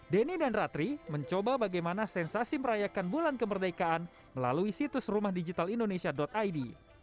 denny dan ratri mencoba bagaimana sensasi merayakan bulan kemerdekaan melalui situs rumah digitalindonesia id